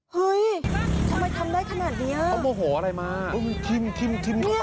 เฮ้ยทำไมทำได้ขนาดเนี้ยเขาโมโหอะไรมาเฮ้ยมึงทิมเนี้ย